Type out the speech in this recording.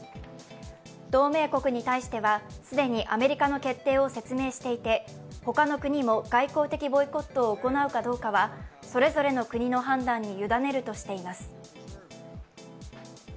同盟国に対しては既にアメリカの決定を説明していて、他の国も外交的ボイコットを行うかどうかはそれぞれの国の判断に委ねるとしています。